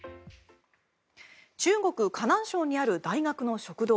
中国・河南省にある大学の食堂。